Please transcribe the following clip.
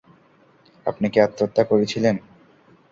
আপনি কি আত্মহত্যা করেছিলেন?